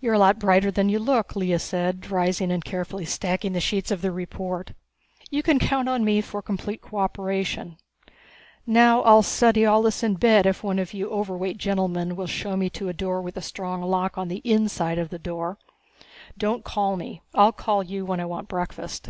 "You're a lot brighter than you look," Lea said, rising and carefully stacking the sheets of the report. "You can count on me for complete cooperation. Now I'll study all this in bed if one of you overweight gentlemen will show me to a room with a strong lock on the inside of the door. Don't call me; I'll call you when I want breakfast."